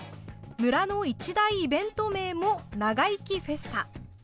村の一大イベント名もながいきフェスタ。